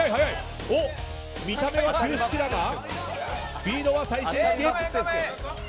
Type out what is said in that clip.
見た目は旧式だがスピードは最新式！